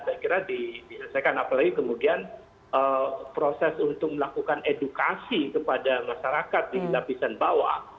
saya kira diselesaikan apalagi kemudian proses untuk melakukan edukasi kepada masyarakat di lapisan bawah